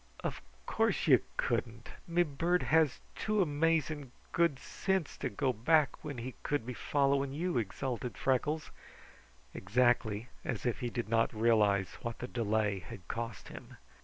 "Of course you couldn't! Me bird has too amazing good sinse to go back when he could be following you," exulted Freckles, exactly as if he did not realize what the delay had cost him.